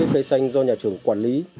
cây xanh do nhà trường quản lý